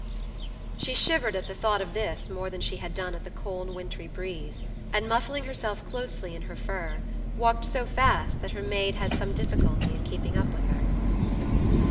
She shivered at the thought of this more than she had done at the cold, wintry breeze, and muffling herself closely in her fur, walked so fast that her maid had some difficulty in keeping up with her.